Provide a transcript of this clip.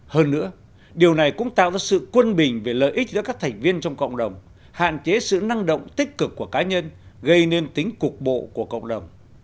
hơn nữa điều này cũng tạo ra sự quân bình về lợi ích giữa các thành viên trong cộng đồng hạn chế sự năng động tích cực của cá nhân gây nên tính cục bộ của cộng đồng